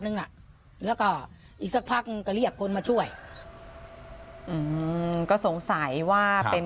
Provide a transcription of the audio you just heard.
นึงน่ะละก่าวอีกสักพักก็เรียกคนมาช่วยก็สงสัยว่าเป็น